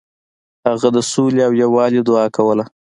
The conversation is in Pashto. هغه د سولې او یووالي دعا کوله.